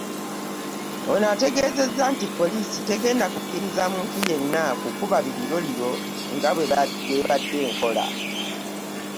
Ono, ategeezezza nti poliisi tegenda kukkiriza muntu yenna kukuba biriroliro nga bw'ebadde enkola.